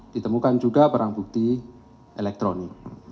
ditemukan juga barang bukti elektronik